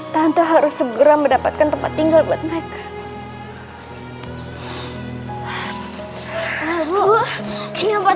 tante harus segera mendapatkan tempat tinggal buat mereka